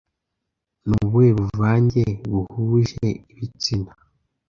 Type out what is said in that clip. Ni ubuhe buvange buhuje ibitsina